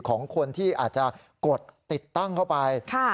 ของคนที่อาจจะกดติดตั้งเข้าไป